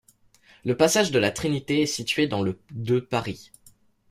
Le passage de la Trinité est situé dans le de Paris.